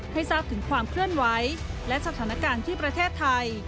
ให้ทราบถึงความเคลื่อนไหวและสถานการณ์ที่ประเทศไทย